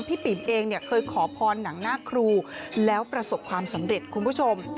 ปิ๋มเองเนี่ยเคยขอพรหนังหน้าครูแล้วประสบความสำเร็จคุณผู้ชม